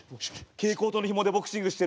蛍光灯のひもでボクシングしてる。